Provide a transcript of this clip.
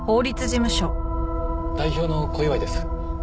代表の小祝です。